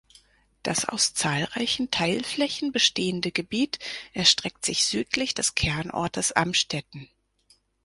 Das aus zahlreichen Teilflächen bestehende Gebiet erstreckt sich südlich des Kernortes Amstetten.